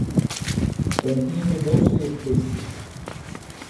Contiene doce especies.